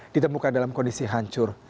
ditemukan dalam kondisi hancur